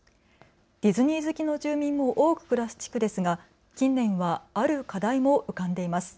ディズニー好きの住民も多く暮らす地区ですが近年はある課題も浮かんでいます。